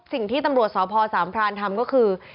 สิ่งที่ตำรวจสพสามพรานทำก็คือ